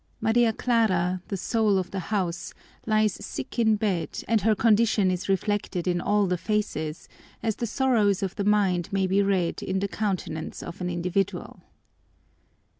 Maria Clara, the soul of the house, lies sick in bed and her condition is reflected in all the faces, as the sorrows of the mind may be read in the countenance of an individual.